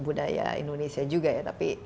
budaya indonesia juga ya tapi